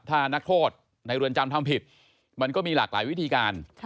ถ้านักโทษในเรือนจำทำผิดมันก็มีหลากหลายวิธีการ